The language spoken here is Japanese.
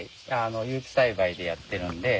有機栽培でやってるんで。